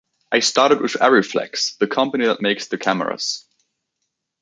I started with Arriflex, the company that makes the cameras.